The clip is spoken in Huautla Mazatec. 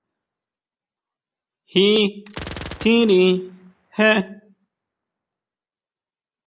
Ji tjínri jé.